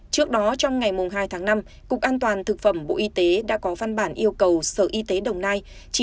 trước đó trong ngày hai tháng năm cục an toàn thực phẩm bộ y tế đã có văn bản yêu cầu sở y tế đồng nai